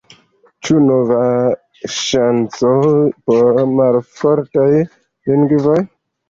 Ĉu nova ŝanco por malfortaj lingvoj?